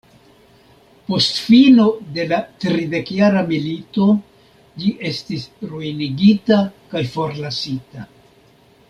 Post fino de la tridekjara milito ĝi estis ruinigita kaj forlasita.